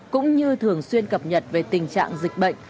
cũng như thường xuyên cập nhật về tình trạng dịch bệnh